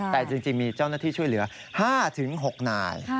แต่จริงมีเจ้าหน้าที่ช่วยเหลือ๕๖นาย